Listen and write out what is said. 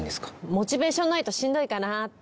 モチベーションないとしんどいかなって。